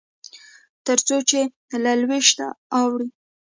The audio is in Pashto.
تر څو چې له لوېشته اوړي.